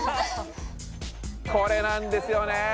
これなんですよね。